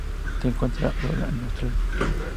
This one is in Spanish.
Se encuentra sólo en Austria.